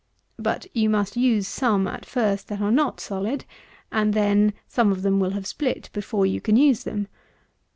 But you must use some, at first, that are not solid; and, then, some of them will split before you can use them.